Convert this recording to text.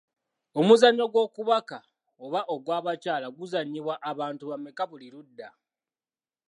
Omuzannyo gw'okubaka oba ogw’abakyala guzannyibwa abantu bameka buli ludda.?